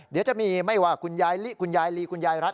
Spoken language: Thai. เดี๋ยวจะมีไม่ว่าคุณยายลีคุณยายรัท